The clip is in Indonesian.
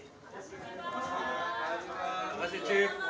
terima kasih chief